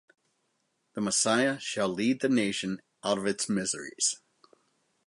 The Messiah shall lead the nation out of its miseries.